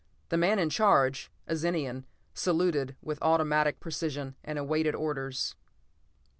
The man in charge, a Zenian, saluted with automatic precision and awaited orders.